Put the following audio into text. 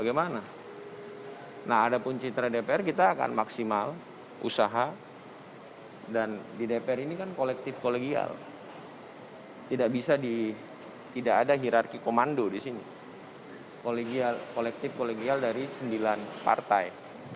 ini adalah kandungan kolektif kolegial dari sembilan partai